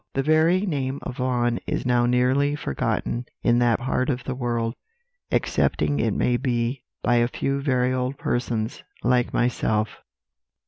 The very name of Vaughan is now nearly forgotten in that part of the world, excepting it may be by a few very old persons like myself."